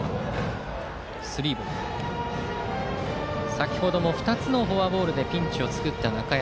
先程も２つのフォアボールでピンチを作った中山。